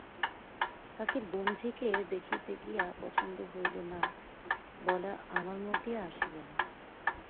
কাকীর বোনঝিকে দেখিতে গিয়া পছন্দ হইল না বলা আমার মুখ দিয়া আসিবে না।